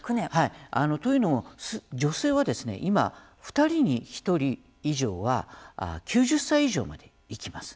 というのは女性は今２人に１人以上は９０歳以上まで生きます。